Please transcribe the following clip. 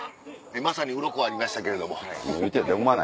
まさにウロコありましたけれども。